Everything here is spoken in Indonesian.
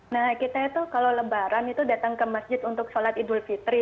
nah kita itu kalau lebaran itu datang ke masjid untuk sholat idul fitri